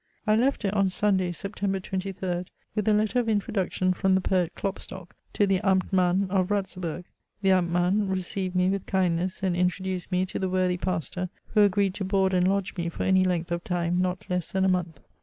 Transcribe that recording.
I left it on Sunday, Sept. 23rd, with a letter of introduction from the poet Klopstock, to the Amtmann of Ratzeburg. The Amtmann received me with kindness, and introduced me to the worthy pastor, who agreed to board and lodge me for any length of time not less than a month.